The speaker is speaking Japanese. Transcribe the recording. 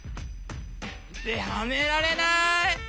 はめられない！